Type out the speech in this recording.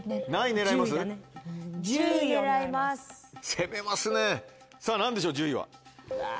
攻めますねさぁ何でしょう１０位は。